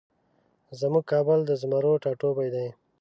زمونږ کابل د زمرو ټاټوبی دی